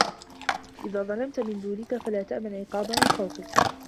إذا ظلمت من دونك فلا تأمن عقاب من فوقك